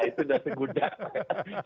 itu sudah segudah